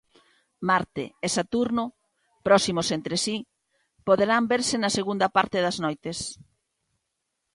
Marte e Saturno, "próximos entre si", poderán verse "na segunda parte das noites".